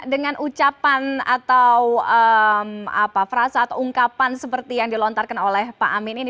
dengan ucapan atau frasa atau ungkapan seperti yang dilontarkan oleh pak amin ini